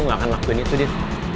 gue gak akan lakuin itu din